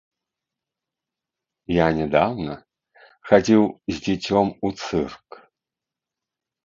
Я нядаўна хадзіў з дзіцём у цырк.